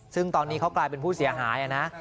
ซึ่งตอนนี้เขากลายเป็นผู้เสียหายนะ